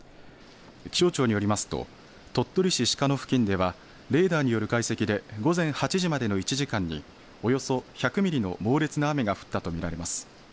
気象庁によりますと鳥取市鹿野付近ではレーダーによる解析で午前８時までの１時間におよそ１００ミリの猛烈な雨が降ったと見られます。